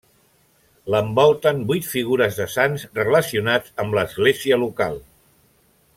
L'envolten vuit figures de sants relacionats amb l'església local.